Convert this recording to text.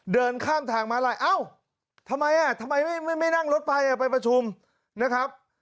เดินข้ามทางมาลัยเอ้าทำไมไม่นั่งรถไปไปประชุมนะครับ